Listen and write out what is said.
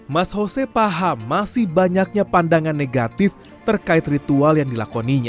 mas hose paham masih banyaknya pandangan negatif terkait ritual yang dilakoninya